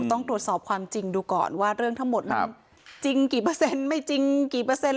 ต้องตรวจสอบความจริงดูก่อนว่าเรื่องทั้งหมดมันจริงกี่เปอร์เซ็นต์ไม่จริงกี่เปอร์เซ็น